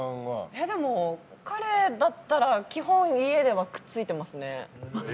彼だったら基本、家ではくっついてますね。